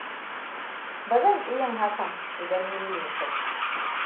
Bazan ki yin hakan idan nine Kai.